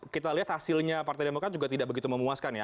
kita lihat hasilnya partai demokrat juga tidak begitu memuaskan ya